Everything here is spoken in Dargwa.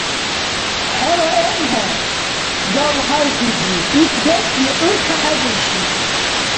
ХӀела эмхӀе, Гавгьар-зизи, ит бецӀли гӀур кахӀебуршу.